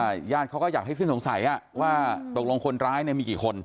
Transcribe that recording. บริญญาณเขาก็อยากให้สิ้นสงสัยว่าตกลงคนร้ายมีกี่คน